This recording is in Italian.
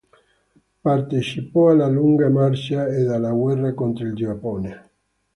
Partecipò alla Lunga Marcia ed alla guerra contro il Giappone.